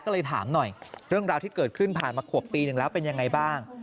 ก็เลยถามหน่อยเรื่องราวที่เกิดขึ้นผ่านมาขวบปีหนึ่งแล้วเป็นยังไงบ้าง